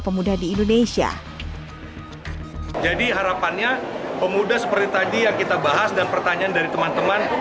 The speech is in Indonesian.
pemuda di indonesia jadi harapannya pemuda seperti tadi yang kita bahas dan pertanyaan dari teman teman